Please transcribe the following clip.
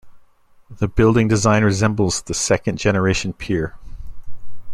The building design resembles the second generation pier.